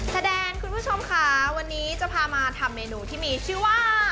แสดงคุณผู้ชมค่ะวันนี้จะพามาทำเมนูที่มีชื่อว่า